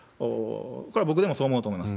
これは僕でもそう思うと思います。